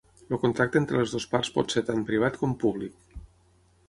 El contracte entre les dues parts pot ser tant privat com públic.